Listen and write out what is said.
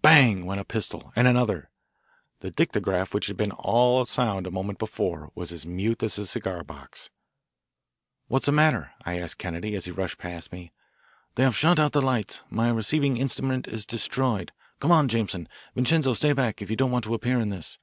Bang! went a pistol, and another. The dictograph, which had been all sound a moment before, was as mute as a cigar box. "What's the matter?" I asked Kennedy, as he rushed past me. "They have shot out the lights. My receiving instrument is destroyed. Come on, Jameson; Vincenzo, stay back, if you don't want to appear in this."